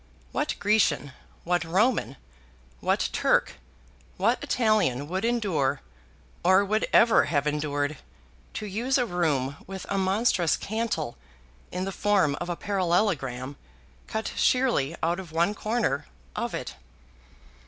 What Grecian, what Roman, what Turk, what Italian would endure, or would ever have endured, to use a room with a monstrous cantle in the form of a parallelogram cut sheerly out of one corner of it?